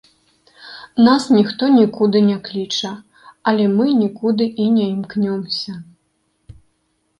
Нас ніхто нікуды не кліча, але мы нікуды і не імкнёмся.